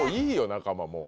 仲間もう。